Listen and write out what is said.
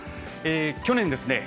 去年ですね